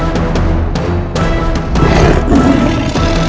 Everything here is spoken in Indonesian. berani beraninya kamu melawanku